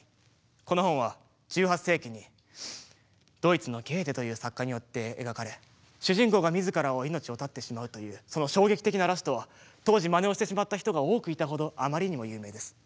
この本は１８世紀にドイツのゲーテという作家によって描かれ主人公が自ら命を絶ってしまうというその衝撃的なラストは当時まねをしてしまった人が多くいたほどあまりにも有名です。